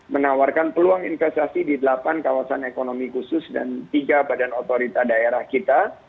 menawarkan peluang investasi di delapan kawasan ekonomi khusus dan tiga badan otorita daerah kita